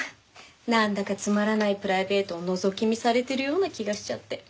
なんだかつまらないプライベートをのぞき見されてるような気がしちゃって。